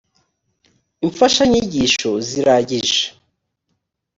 imfashanyigisho ziragije.